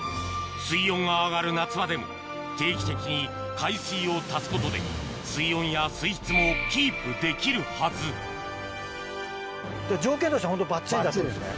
水温が上がる夏場でも定期的に海水を足すことで水温や水質もキープできるはずバッチリですね。